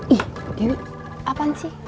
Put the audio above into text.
ih dewi apaan sih